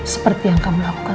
seperti yang kamu lakukan